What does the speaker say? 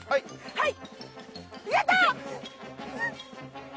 はい。